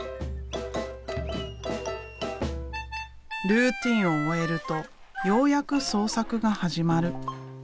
ルーティンを終えるとようやく創作が始まる。